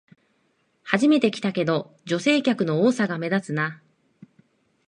初めて来たけど、女性客の多さが目立つな